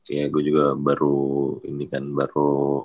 ya gue juga baru ini kan baru